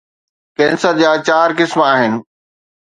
cancer جا چار قسم